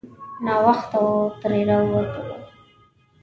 ناوخته وو ترې راووتلو.